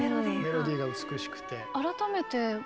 メロディーが美しくて。